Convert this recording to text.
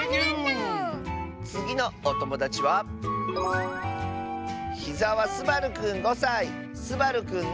つぎのおともだちはすばるくんの。